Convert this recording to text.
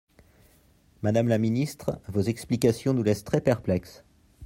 Madame la ministre, vos explications nous laissent très perplexes.